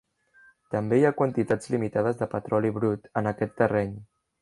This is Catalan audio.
També hi ha quantitats limitades de petroli brut en aquest terreny.